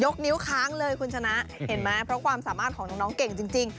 นิ้วค้างเลยคุณชนะเห็นไหมเพราะความสามารถของน้องเก่งจริง